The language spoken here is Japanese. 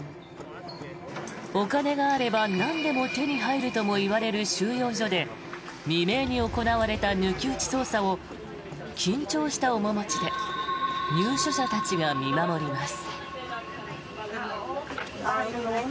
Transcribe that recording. お金があればなんでも手に入るともいわれる収容所で未明に行われた抜き打ち捜査を緊張した面持ちで入所者たちが見守ります。